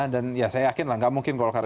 dan saya yakin lah nggak mungkin golkar itu